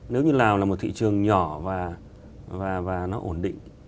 nếu như lào là một thị trường nhỏ và nó ổn định